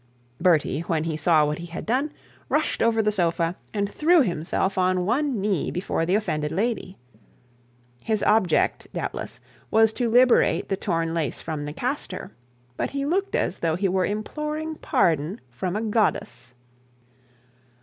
Bertie, when he saw what he had done, rushed over the sofa, and threw himself on one knee before the offended lady. His object, doubtless, was to liberate the torn lace from the castor; but he looked as though he were imploring pardon from a goddess.